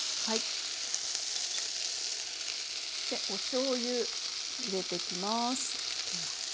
おしょうゆ入れていきます。